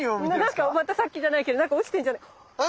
またさっきじゃないけど何か落ちてるんじゃないか。